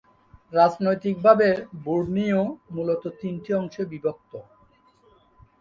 রাজনৈতিকভাবে বোর্নিও মূলত তিনটি অংশে বিভক্ত।